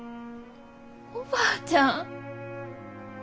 おばあちゃん。